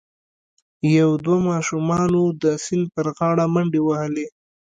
یو دوه ماشومانو د سیند پر غاړه منډې وهلي.